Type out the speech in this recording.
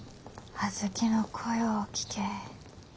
小豆の声を聴けえ。